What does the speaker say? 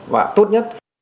và tốt nhất